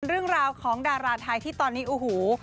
เรื่องราวของดาราไทยที่ตอนนี้โอ้โห